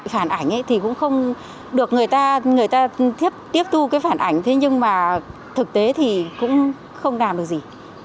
phản ảnh thì cũng không được người ta tiếp thu cái phản ảnh thế nhưng mà thực tế thì cũng không làm được gì